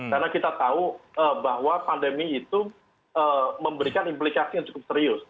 karena kita tahu bahwa pandemi itu memberikan implikasi yang cukup serius